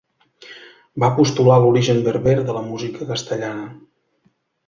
Va postular l'origen berber de la música castellana.